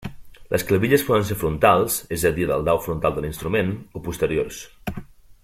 Les clavilles poden ser frontals, és a dir del dau frontal de l'instrument, o posteriors.